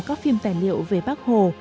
các phim tài liệu về bác hồ